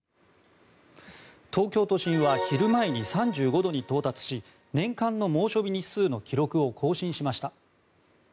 東京都心は昼前に３５度に到達し年間の猛暑日日数の記録を更新しました。